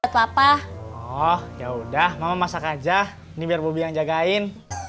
papa oh ya udah mama masak aja ini biar bubi yang jagain